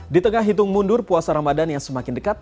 di tengah hitung mundur puasa ramadan yang semakin dekat